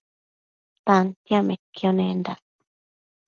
Tantiacmaidquio nendac